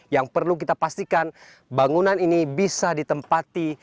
yang perlu kita pastikan bangunan ini bisa ditempati